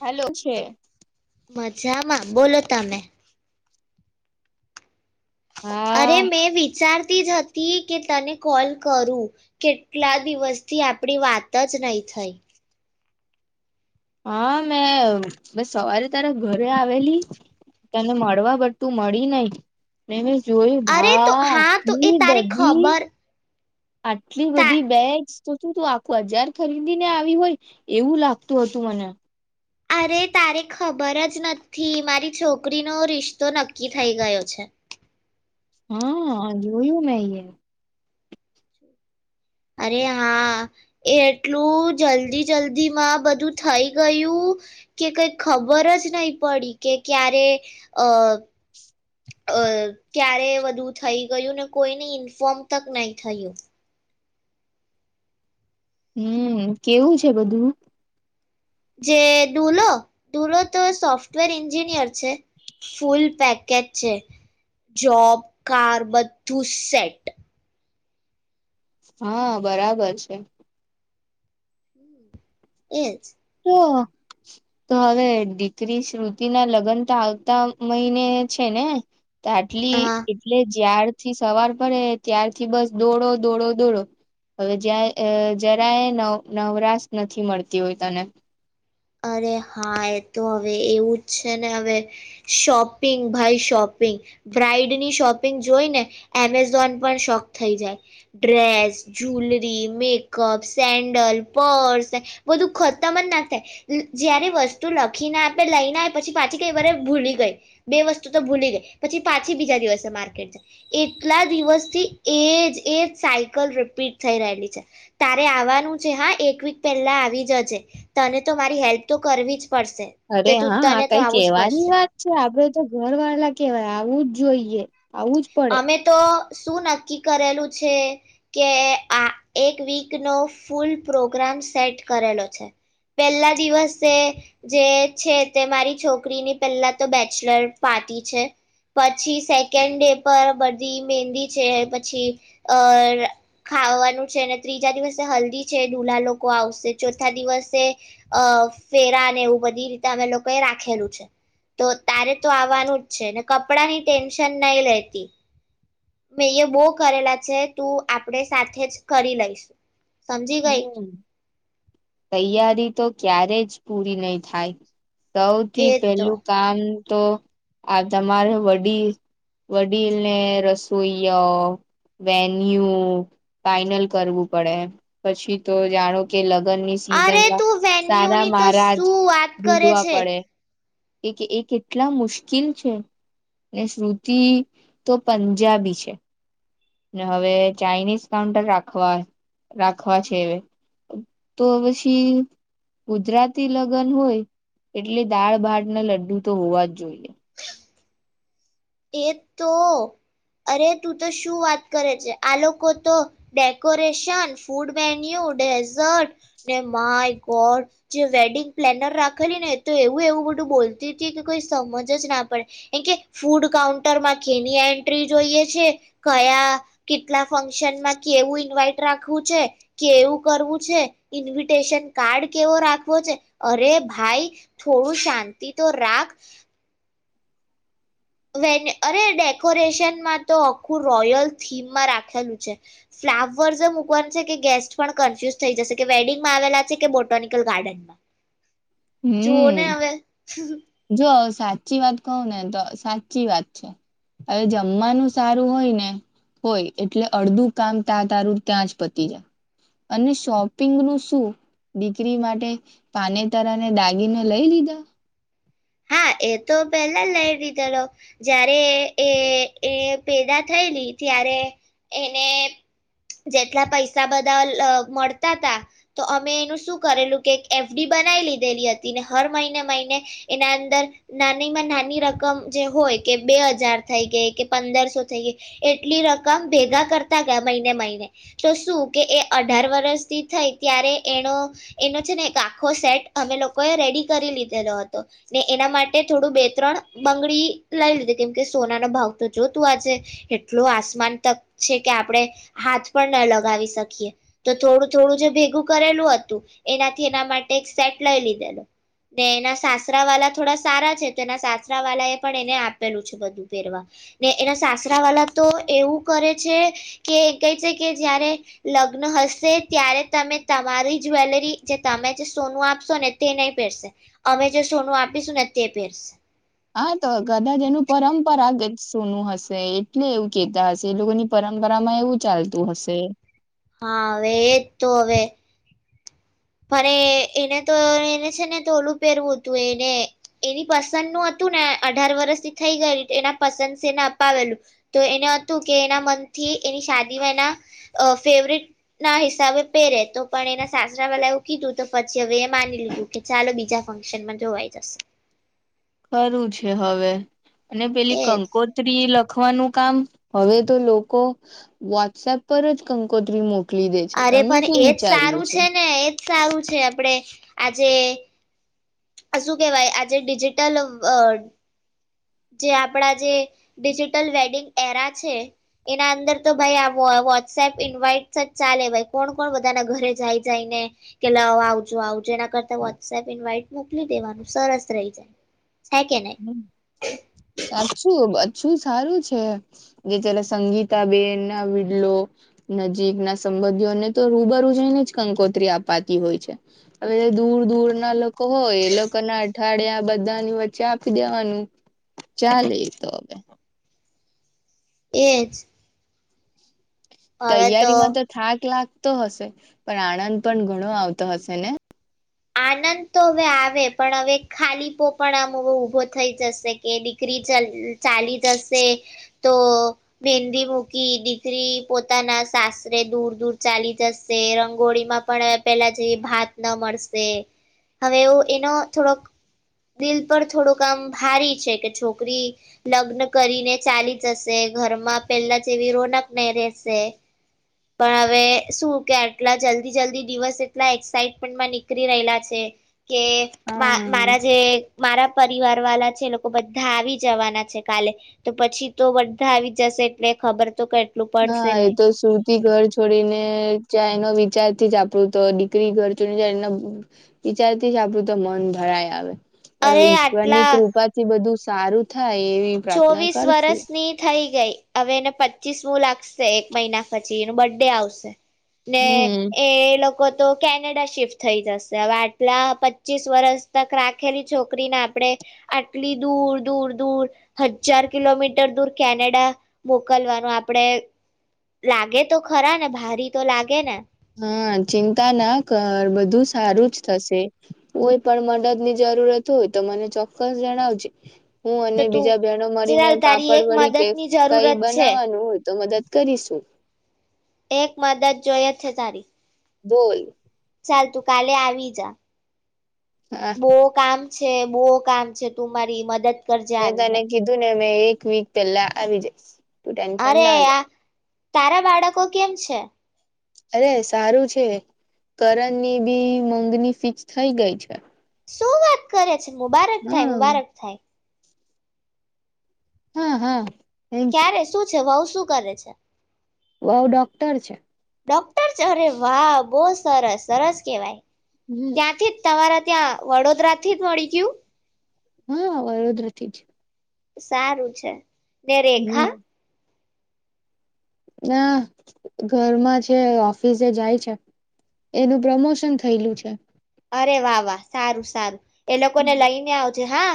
Hello છે. મજામાં બોલો તમે. અરે હા મેં વિચાર જ હતી કે તને કોલ કરું, કેટલા દિવસથી આપણી વાત જ નહી થઈ. હા મેં મે સવારે તારા ઘરે આવેલી, તને મળવા બટ તું મળી નહિ. જોય અરે ભા તો હા તો એ આટલી તારે બધી. ખબર આટલી તા બધી બેગ્સ તો શું આખું હજાર ખરીદીને આવી હોય એવું લાગતું હતું મને. અરે તારે ખબર જ નથી મારી છોકરીનો રિશ્તો નક્કી થઈ ગયો છે. હા જોયું મેં અ. અરે હા. એ એટલું જલ્દી જલ્દી માં બધું થઈ ગયું, કે કઈ ખબર જ નહી પડી કે ક્યારે, અ અ ક્યારે બધું થઈ ગયું ને કોઈને ઇન્ફોર્મ તક નહી થયું. હમ કેવું છે બધું? જે દુલો દુલો તો સોફ્ટવેર એન્જિનિયર છે, ફૂલ પેકેજ છે, જોબ કાર બધું સેટ. હા બરાબર છે. એ જ. તો હવે દીકરી શ્રુતિ ના લગ્ન તો આવતા મહિને છે ને. તો આટલી હા એટલે જ્યાં થી સવાર પડે ત્યારથી બસ દોડો દોડો દોડો, હવે જ્યા જરાય એ નવ નવરાશ નથી મળતી હોય તને. અરે હા એ તો હવે એવું જ છે ને હવે, શોપિંગ ભાઈ શોપિંગ બ્રાઈડની શોપિંગ જોઈ ને એમેઝોન પણ શોખ થઈ જાય, dress, jewellery, makeup, sandal, purse, બધું ખતમ જ ના થાય. જયારે વસ્તુ લખી ના આપે લઈને પછી પાછી કઈ વારે ભૂલી ગઈ, બે વસ્તુ તો ભૂલી ગઈ, પછી પાછી બીજા દિવસે માર્કેટ જાય, એટલા દિવસથી એજ એ જ સાયકલ રિપીટ થઈ રહેલી છે, તારે આવવાનું છે હા એક વીક પહેલા આવી જજે તને તો તમારી હેલ્પ તો કરવી જ પડશે અરે તે તું હા આ તને તો કઈ આવવું જ પડશે કેવાની વાત છે આપડે તો ઘર વાળા કેવાય આવું જ જોઈએ. આવું જ પડે અમે તો શું નક્કી કરેલું છે, કે આ એક વીકનો ફૂલ પ્રોગ્રામ સેટ કરેલો છે, પહેલા દિવસે, જે છે તે મારી છોકરીની પહેલા તો બેચલર પાર્ટી છે, પછી સેકન્ડ ડે પર બધી મંદી છે પછી, અ ખાવાનું છે ત્રીજા દિવસે હલ્દી છે દુલ્હા લોકો આવશે, ચોથા દિવસે અ ફેરાને એવું બધી રીતે અમે લોકો એ રાખેલું છે, તો તારે તો આવવાનું જ છે ને કપડા ની ટેન્શન નહીં લેતી. તી. મે એ બો કરેલા છે તું આપણે સાથે જ કરી લઈશું. સમજી ગઈ. હમ તૈયારી તો ક્યારે જ પૂરી નહી થાય. એ સૌથી તો પેલું કામ. તો આ તમારે વડીલ વડીલને રસોઈયો વેન્યુ ફાઈનલ કરવું પડે. પછી તો જાણો કે લગ અરે તું વેન્યુ ની તો મહારાજ શું વાત કરે છે. કે કે એ કેટલા મુશ્કેલ છે, ને શ્રુતિ તો પંજાબી છે. ને હવે ચાાઈનીઝ કાઉન્ટર રાખવા રાખવા છેવે, તો પછી ગુજરાતી લગ્ન હોય, એટલે દાળ ભાટ ના લડ્ડુ તો હોવા જ જોઈએે. એ તો, અરે તું તો શું વાત કરે છે આ લોકો તો, ડેકોરેશ, ફૂડવેન્યુ, ડેઝર્ટ ને માય ગોડ જે વેડિંગ પ્લેનર રાખેલી ને તો એવું એવું બધું બોલતી હતી કે કોઈ સમજ જ ના પડે, એમ કે ફૂડ કાઉન્ટર માં કેની એન્ટ્રી જોઈએ છે, કયા કેટલા ફંક્શનમાં કેવું ઇન્વાઈટ રાખવું છે, કેવું કરવું છે, ઇન્વિટેશન કાર્ડ કેવો રાખવો છે, અરે ભાઈ થોડું શાંતિ તો રાખ. વ અરે ડેકોરેશનમાં તો આખું રોયલ થીમમાં રાખેલું છે, ફ્લાવર્સ મૂકવાનું છે કે ગેસ્ટ પણ કન્ફ્યુઝ થઈ જશે કે વેડિંગમાં આવેલા છે કે બોટાનિકલ ગાર્ડનમાં. જોઓ ને હમ હવે જો. સાચી વાત કહું ને તો સાચી વાત છે, હવે જમવાનું સારું હોય ને હોય એટલે અડધું કામ ત તારું ત્યાં જ પતી જાય, અને શોપિંગ નું શું દીકરી માટે, પાને તારને દાગીને લઈ લીધા? હા એ તો પહેલા લઈ લીધેલો, જ્યારે એ એ પેદા થયેલી ત્યારે, એને જેટલા પૈસા બધા મળતા હતા, તો અમે એનું શું કરેલું કે એફડી બનાવી લીધેલી હતી ને હર મહિને મહિને, એના અંદર નાનીમાં નાની રકમ જે હોય કે બે હજાર થઈ ગઈ કે પંદરસો થઈ ગઈ, એટલી રકમ ભેગા કરતા ગયા મહિને મહિને, તો શું કે એ અઢાર વરષથી થઈ ત્યારે એનો, એનો છે ને એક આખો સેટ અમે લોકોએ રેડી કરી લીધેલો હતો, ને એના માટે થોડું બે ત્રણ બંગડી લઈ લીધી કેમ કે સોના નો ભાવ તો જોતું આજે, એટલો આસમાન તક છે કે આપણે, હાથ પણ ના લગાવી શકીએ, તો થોડું થોડું જે ભેગું કરેલું હતું, એનાથી એના માટે એક સેટ લઈ લીધેલો, ને એના સાસરા વાળા થોડા સારા છે તો એના સાસરા વાલા એ પણ એને આપેલું છે બધું પહેરવા, ને એના સાસરા વાલા તો એવું કરે છે, કે કહે છે કે જારે લગ્ન હશે ત્યારે તમે તમારી જ્વેલરી જે તમે જે સોનું આપશો ને તે નહીં પહેરશે, અમે જે સોનું આપ સુન તે પેરસે. હા તો કદાચ એનું પરંપરા સોનું હશે એટલે એવું કેતા હશે એ લોકોની પરંપરામાં એવું ચાલતું હશે. હા હવે એજ તો હવે. પણ એને તો એને છે ને તો ઓલું પહેરવું હતું એને એની પસંદ નું હતું ને અઢાર વરષથી થઈ ગયેલ એના પસંદ છેને અપાવેલું, તો એને હતું કે એના મનથી એની શાદીમાં એના, ફેવરિટ ના હિસાબે પહેરે તો પણ એના સાસુ લા એવું કીધું તો પછી હવે એ માની લીધું કે ચાલો બીજા ફંક્શનમાં જોવાઈ જશે. ખરું છે હવે. અને પેલી એજ કંકોત્રી લખ લખવાનું કામ હવે તો લોકો, વોટ્સએપ પર જ કંકોત્રી મોક અરે પણ એજ સારું છે ને એ સ આવું છે આપડે, આજે આ શું કેહેવાય આજે ડિજિટલ જે આપડા જે, ડિજિટલ વેડિંગ એરા છે, એના અંદર તો ભાઈ વોટ્સએપ ઇન્વાઈટ જ ચાલે ભાઈ કોણ કોણ બધાના ઘરે જઈ જાય ને કે લ આવજો આવજ એના કરતા વોટ્સએપ ઇન્વાઈટ મોકલી દેવાનું સરસ રહી જાય. છે કે નહી? હમ સાચું અછું સારું છે, જે ચલા સંગીતાબેન ના વિડલો, નજીક ના સંબંધીઓને તો રૂબરૂું જઈને જ કંકોત્રી આતી હોય છે, હવે દૂર દૂર ના લોકો હોય એ લોકો ના અઠવાડિયા બધાની વચ્ચે દેવાનું ચાલે તો હવે. એ જ. તૈયારી માં તો થાક લાક તો હશે, પણ આનંદ પણ ઘણો આવતો હશે ને. આનંદ તો હવે આવે પણ હવે ખાલી પો પણ આમ ઊભો થઈ જશે કે દીકરી ચાલી જશે, તો મહેંદી મૂકી દીકરી પોતાના સાસરે દૂર દૂર ચાલી જશે રંગોળીમાં પણ પેલા જે ભાત ન મળશે. હવે એવ એનો થોડોક દિલ પર થોડું કામ ભારી છે કે છોકરી, લગ્ન કરીને ચાલી જશે ઘરમાં પેલા જેવી રોનક નહી રહેશે. પણ હવે શું કે આટલા જલ્દી જલ્દી દિવસ એટલા એક્સાઈટમેન્ટમાં નીકળી રહેલા છે. કે હા મારા જે મારા પરિવાર વાળા છે લોકો બધા આવી જવાના છે કાલે, તો પછી તો બધા આવી જશે એટલે ખબર તો કે હા એ તો સુુંતી ઘર છોડી ને ચાય નો. વિચારથી જ આપડું તો દીકરી ઘચું વિચારથી જ આપડું તો મન ભરાય આવે. પણ અરે ઈશ્વર ની આટલા કૃપા થી બધું સારું થાય. એવી પ્રાર્થના ચોવીસ કરશું. વર્ષ ની થઈ. ગઈ હવે એને પચીસમું લાગશે એક મહિના પછી એનું બર્થ ડે આવશે. ને હમ એ લોકો તો કેનેડા શિફ્ટ થઈ જશે હવે આટલા પચીસ વર્ષ તક રાખેલી છોકરીને આપણે આટલી, દૂર દૂર દૂર હજાર કિલોમીટર દૂર કેનેડા, મોકલવાનું આપડે લાગે તો ખરા ને ભારી તો લાગે ને. હા ચિંતા ના કર બધું સારું જ થશે, કોઈ પણ મદદની જરૂરત હોય તો મને ચોક્કસ જણાવજે. હું તો અને તું બીજા બહેનો મરીને ચાલ તારી પાપડ એક વળી કે મદદની કઈ જરૂરત છે બનાવવાનું હો જ. તો મદદ કરીશું. એક મદદ જોઈ જ છે તારી. બોલ. ચાલ તું કાલે આવી જા. હા બહ કામ. છે બહુ કામ છે તું મારી મદદ કરજે મે આવીને તને કીધું ને એક વીક પેલા આવી જઈશ. તું ટેન્શન અરે ના. આ તારા બાળકો કેમ છે? અરે સારું છે, કરણની બી મોગની ફિક્સ થઈ ગઈ છે. શું વાત કરે. મુબારક થાય હા મુબારક થાય. હા હા. થેન્ક યુ ક્યારે શું છે વઉ શું કરે છે? વવ ડોક્ટર છે. ડોક્ટર ચ અરે વાહ બહુ સરસ સરસ કેવાય. હમ ત્યાંથી જ તમારા ત્યાં વડોદરા થી જ મળી ગયું? હા વડોદરાથી જ. સારું છે. ને રેખા? હમ ના ઘરમાં છે ઓફિસે જાય છે, એનું પ્રમોશન થયેલું છે. અરે વાહ વાહ સારું સારું. એ લોકો ને લઈને આવ જ હા.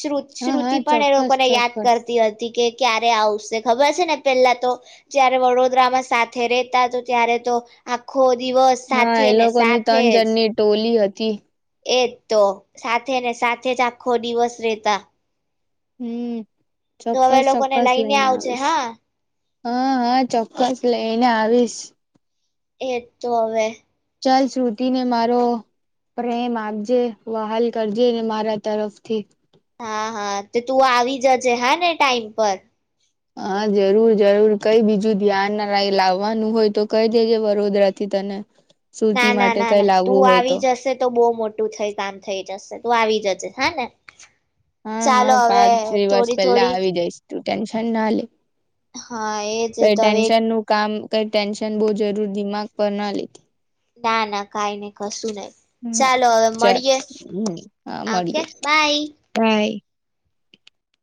શુ હા શ્રુતિ હા પણ એ ચોક્કસ લોકોને યાદ ચોક્કસ કરતી હતી. કે ક્યારે આવશે ખબર છે ને પેલા તો, જયારે વડોદરામાં સાથે રેતા તો ત્યારે તો, આખો દિવસ હા સાથે એ ને લોકોની સાથે તન જ જનની ટોલી હતી. તી. એજ તો સાથે ને સાથે જ આખો દિવસ રેતા. હમ તો હવે ચોક્કસ લોકોને ચોક્કસ લઈને આવજે આવીશ હા હા હા ચોક્કસ લઈને આવીશ એજ તો હવે ચાલ શ્રુતિને મારો પ્રેમ આપજે વહાલ કરજે ને મારા તરફથી હા હા તે તું આવી જજે હને ટાઈમ પર. હા જરૂર જરૂર કઈ બીજું ધ્યાન ના લ લાવવાનું હોય તો કઈ દેજે વડોદરાથી તને શ્રુતિ ના ના માટે ના કઈ ના તું લાવવું હોય આવી જશે તો બહુ મોટું થઈ કામ થઈ જશે. તું આવી જજે હ ને. હા હા ચાલો હવે પાંચ દિવસ થોડી પહેલા થોડી આવી જઈશ તું ટેન્શન ના લે. હા એજ કઇ તો હવે ટેન્શન નું કામ કઈ ટેન્શન બહુ જરૂર દિમાગ પર ના લેતી. ના ના કાય નય, કશું નઈ, લેતી હા ચાલો હવે ચાલ મળીયે. હમ હા ઓકે, મળીએ બાય. બાય.